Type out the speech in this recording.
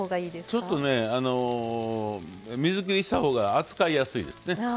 ちょっと水切りしたほうが扱いやすいですね。